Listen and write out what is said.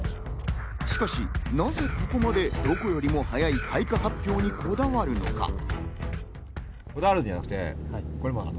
しかし、なぜここまで、どこよりも早い開花発表にこだわるのか。